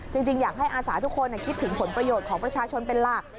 จริงอยากให้อาสาทุกคนคิดถึงผลประโยชน์ของประชาชนเป็นหลัก